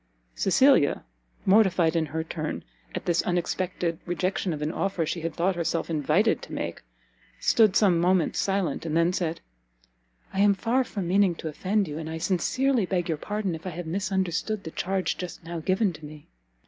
Cecilia, mortified in her turn at this unexpected rejection of an offer she had thought herself invited to make, stood some moments silent; and then said, "I am far from meaning to offend you, and I sincerely beg your pardon if I have misunderstood the charge just now given to me."